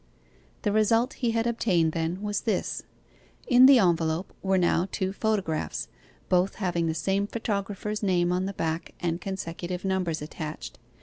The result he had obtained, then, was this: in the envelope were now two photographs, both having the same photographer's name on the back and consecutive numbers attached.